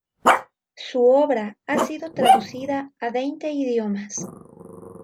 Su obra ha sido traducida a veinte idiomas.